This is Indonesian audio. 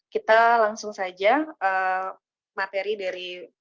kita langsung saja materi dari